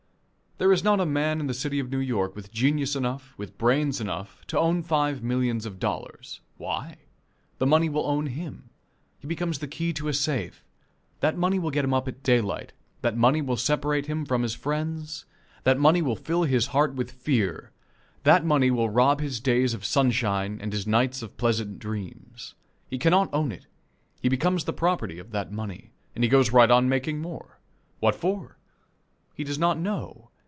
There is not a man in the city of New York with genius enough, with brains enough, to own five millions of dollars. Why? The money will own him. He becomes the key to a safe. That money will get him up at daylight; that money will separate him from his friends; that money will fill his heart with fear; that money will rob his days of sunshine and his nights of pleasant dreams. He cannot own it. He becomes the property of that money. And he goes right on making more. What for? He does not know.